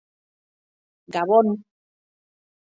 Gabon!